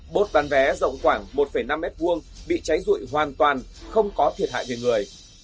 bốt bán vé rộng khoảng một năm m hai bị cháy rụi hoàn toàn không có thiệt hại về người